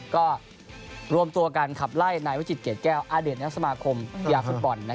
ก็รวมตัวกันขับไล่นายพจิตเกตแก้วอเดินในสมาคมภุมภ์ฟุตบอล